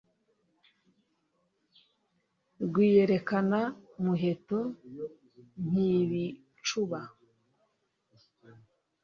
Rwiyerekana-muheto Mpibicuba,